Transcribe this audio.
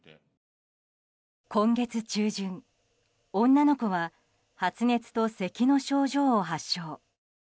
今月中旬、女の子は発熱とせきの症状を発症。